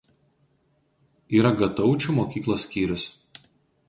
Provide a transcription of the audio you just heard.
Yra Gataučių mokyklos skyrius.